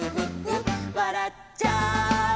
「わらっちゃう」